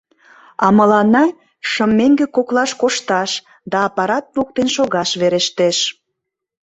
А мыланна шым меҥге коклаш кошташ да аппарат воктен шогаш верештеш.